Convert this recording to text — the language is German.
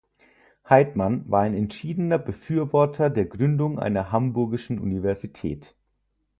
Heidmann war ein entschiedener Befürworter der Gründung einer Hamburgischen Universität.